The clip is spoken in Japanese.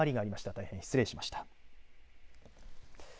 大変失礼しました。